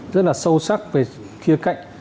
rất là sâu sắc về kia cạnh